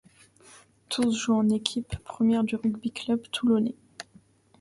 Tous jouent en équipe première du Rugby club toulonnais.